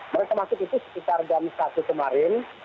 mereka masuk itu sekitar jam satu kemarin